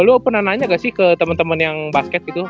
lo pernah nanya gak sih ke teman teman yang basket gitu